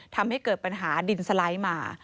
ทำให้เกิดปัญหาดินสไลด์มา